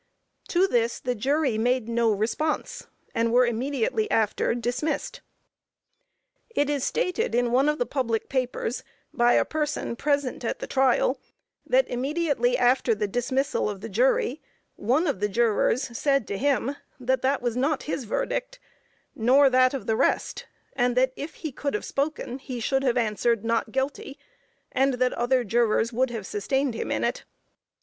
To this the jury made no response, and were immediately after dismissed. It is stated in one of the public papers, by a person present at the trial, that immediately after the dismissal of the jury, one of the jurors said to him that that was not his verdict, nor that of the rest, and that if he could have spoken he should have answered "Not guilty," and that other jurors would have sustained him in it.